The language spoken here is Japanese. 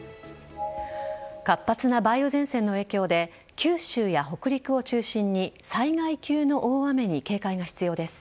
活発な梅雨前線の影響で九州や北陸を中心に災害級の大雨に警戒が必要です。